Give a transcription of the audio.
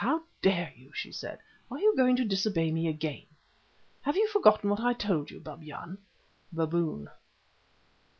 "How dare you?" she said. "Are you going to disobey me again? Have you forgotten what I told you, Babyan?"[*] [*] Baboon.